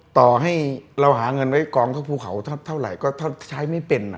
ต่อให้เราหาเงินไว้กองเข้าภูเขาเท่าไหร่ก็ถ้าใช้ไม่เป็น